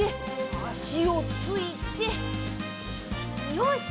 よし！